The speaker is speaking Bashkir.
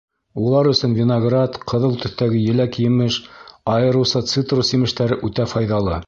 Улар өсөн виноград, ҡыҙыл төҫтәге еләк-емеш, айырыуса цитрус емештәре үтә файҙалы.